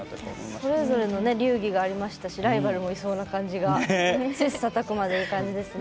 それぞれの流儀がありましたしライバルもいる感じが切磋琢磨という感じですね。